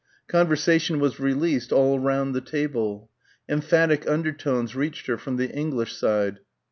Conversation was released all round the table. Emphatic undertones reached her from the English side.